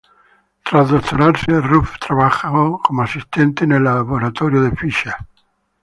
Tras doctorarse, Ruff trabajo como asistente en el laboratorio de Fischer.